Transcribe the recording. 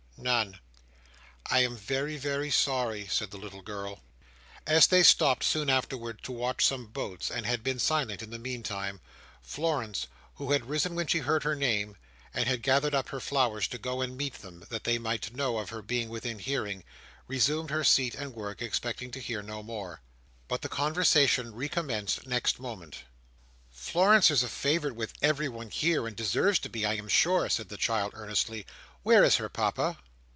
"None," "I am very, very sorry!" said the little girl As they stopped soon afterwards to watch some boats, and had been silent in the meantime, Florence, who had risen when she heard her name, and had gathered up her flowers to go and meet them, that they might know of her being within hearing, resumed her seat and work, expecting to hear no more; but the conversation recommenced next moment. "Florence is a favourite with everyone here, and deserves to be, I am sure," said the child, earnestly. "Where is her Papa?"